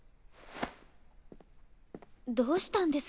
どうしたんです？